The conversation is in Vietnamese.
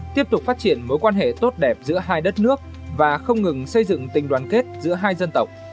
tiếp tục phát triển mối quan hệ tốt đẹp giữa hai đất nước và không ngừng xây dựng tình đoàn kết giữa hai dân tộc